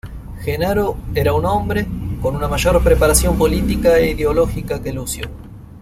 Genaro era un hombre con una mayor preparación política e ideológica que Lucio.